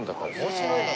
面白いな。